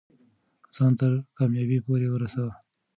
ځان تر کامیابۍ پورې ورسوه.